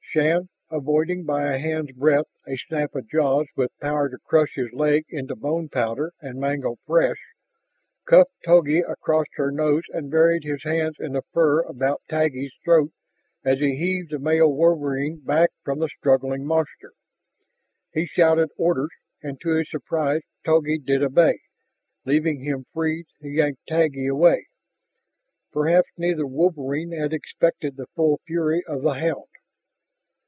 Shann, avoiding by a hand's breadth a snap of jaws with power to crush his leg into bone powder and mangled flesh, cuffed Togi across her nose and buried his hands in the fur about Taggi's throat as he heaved the male wolverine back from the struggling monster. He shouted orders, and to his surprise Togi did obey, leaving him free to yank Taggi away. Perhaps neither wolverine had expected the full fury of the hound.